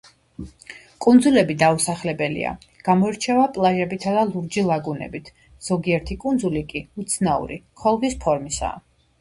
კუნძულები დაუსახლებელია; გამოირჩევა პლაჟებითა და ლურჯი ლაგუნებით, ზოგიერთი კუნძული კი უცნაური, ქოლგის ფორმისაა.